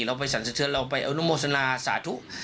แล้วส่วนใหญ่ลูกศิษย์ลูกหากอ้ออย่างนี้อาจารย์ก็น่าจะลองไปโอบ